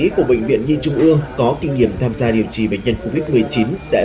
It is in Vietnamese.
covid một mươi chín nặng bệnh viện nhiên trung ương có kinh nghiệm tham gia điều trị bệnh nhân covid một mươi chín sẽ